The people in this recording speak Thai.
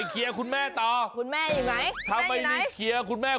คุณพ่อเคียร์กันจบไปเคียร์คุณแม่ต่อ